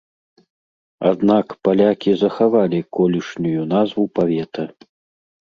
Аднак палякі захавалі колішнюю назву павета.